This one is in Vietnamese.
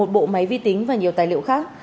một bộ máy vi tính và nhiều tài liệu khác